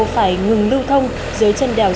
phải ngừng lưu thông dưới chân đèo